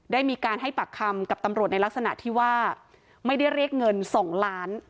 ได้มีการให้ปากคำกับตำรวจในลักษณะที่ว่าไม่ได้เรียกเงิน๒ล้าน